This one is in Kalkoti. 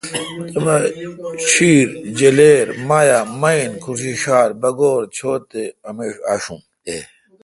ڄھیر، جلیر، مایع، میین، کھو ݭیݭال، بگورڄھوت تے امیݭ اشون۔